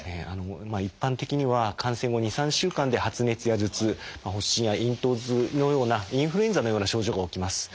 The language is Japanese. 一般的には感染後２３週間で発熱や頭痛発疹や咽頭痛のようなインフルエンザのような症状が起きます。